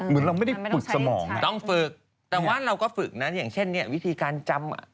ไม่ได้ฝึกสมองต้องฝึกแต่ว่าเราก็ฝึกนะอย่างเช่นนี้วิธีการจำ